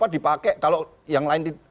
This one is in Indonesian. dipakai kalau yang lain